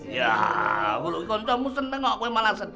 yaa kalau kamu senang kamu malah sedih